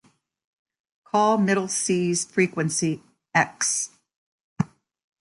Call middle C's frequency "x".